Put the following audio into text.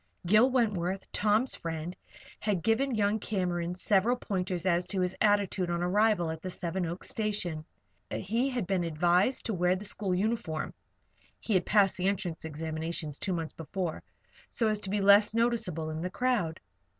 Gil Wentworth, Tom's friend, had given young Cameron several pointers as to his attitude on arrival at the Seven Oaks station. He had been advised to wear the school uniform (he had passed the entrance examinations two months before) so as to be less noticeable in the crowd.